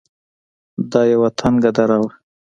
دا يوه تنگه دره وه.